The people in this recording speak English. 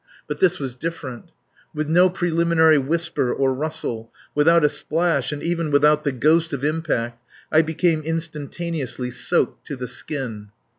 But this was different. With no preliminary whisper or rustle, without a splash, and even without the ghost of impact, I became instantaneously soaked to the skin.